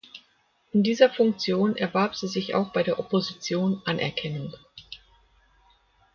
In dieser Funktion erwarb sie sich auch bei der Opposition Anerkennung.